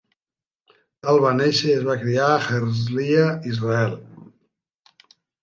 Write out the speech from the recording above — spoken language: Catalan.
Tal va néixer i es va criar a Herzliya, Israel.